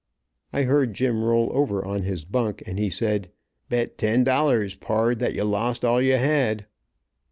I heard Jim roll over on his bunk, and he said: "Bet ten dollars, pard, that you lost all you had."